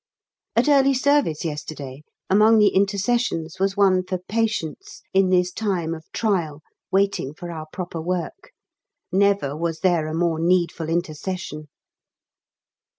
At early service yesterday among the Intercessions was one for patience in this time of trial waiting for our proper work. Never was there a more needful Intercession.